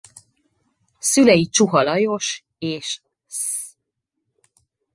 Szülei Csuha Lajos és Sz.